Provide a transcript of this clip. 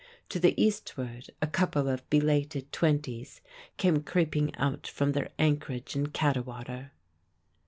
To the eastward a couple of belated twenties came creeping out from their anchorage in Cattewater.